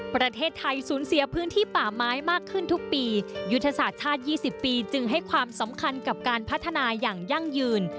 ประเทศไทยสูญเสียพื้นที่ป่าไม้มากขึ้นทุกปียุทธศาสตร์ชาติ๒๐ปีจึงให้ความสำคัญกับการพัฒนาอย่างยั่งยืน